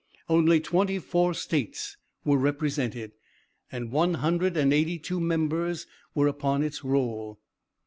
Only twenty four States were represented, and one hundred and eighty two members were upon its roll.